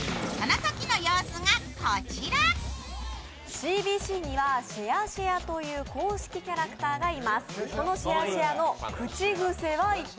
ＣＢＣにはシェアシェアという公式キャラクターがいます。